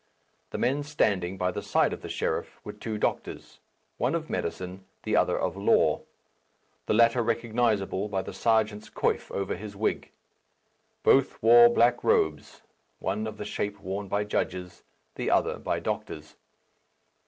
The men standing by the side of the sheriff were two doctors, one of medicine, the other of law; the latter recognizable by the Serjeant's coif over his wig. Both wore black robes one of the shape worn by judges, the other by doctors.